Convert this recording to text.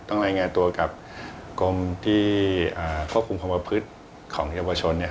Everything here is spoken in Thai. รายงานตัวกับกรมที่ควบคุมความประพฤติของเยาวชน